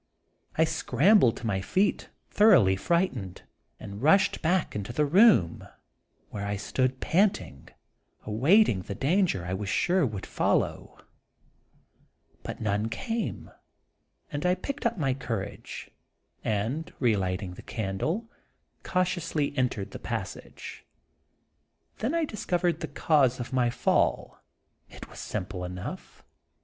I scrambled to my feet thoroughly frightened, and rushed back into the room, where I stood panting, await ing the danger I was sure would follow. 26 The Untold Sequel of But none camCi and I picked up courage, and relighting the candle, cautiously entered the passage. Then I discovered the cause of my fall. It was simple enough.